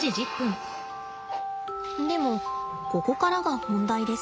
でもここからが本題です。